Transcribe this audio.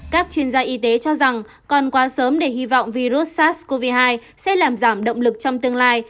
các chuyên gia y tế cho rằng còn quá sớm để hy vọng virus sars cov hai sẽ làm giảm động lực trong tương lai